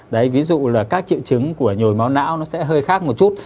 đấy ví dụ là các triệu chứng của nhồi máu não nó sẽ hơi khác một chút